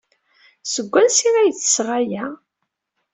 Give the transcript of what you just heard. Seg wansi ay d-tesɣa aya?